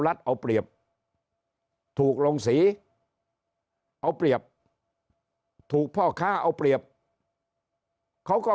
เอาเปรียบถูกลงสีเอาเปรียบถูกพ่อค้าเอาเปรียบเขาก็